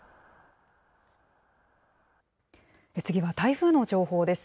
次は台風の情報です。